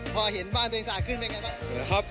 พอเห็นบ้านตัวเองสาดขึ้นเป็นไงบ้าง